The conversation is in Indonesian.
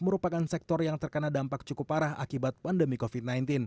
merupakan sektor yang terkena dampak cukup parah akibat pandemi covid sembilan belas